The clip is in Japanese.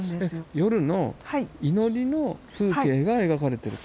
夜の祈りの風景が描かれてると？